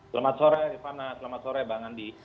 selamat sore rifana selamat sore bang andi